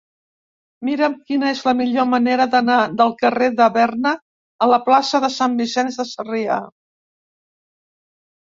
Mira'm quina és la millor manera d'anar del carrer de Berna a la plaça de Sant Vicenç de Sarrià.